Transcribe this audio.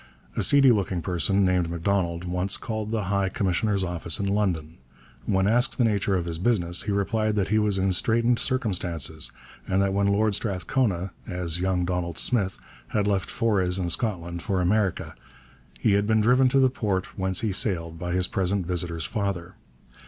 A seedy looking person named M'Donald once called at the high commissioner's office in London. When asked the nature of his business, he replied that he was in straitened circumstances, and that when Lord Strathcona, as young Donald Smith, had left Forres in Scotland for America, he had been driven to the port whence he sailed by his present visitor's father.